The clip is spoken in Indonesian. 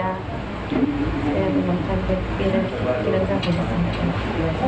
saya tidak sampai bersama